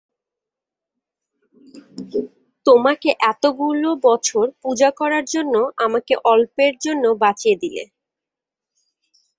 তোমাকে এতগুলো বছর পুজা করার জন্য আমাকে অল্পের জন্য বাঁচিয়ে দিলে।